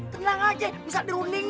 tenang aja bisa dirundingin